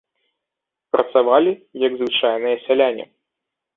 Працавалі як звычайныя сяляне.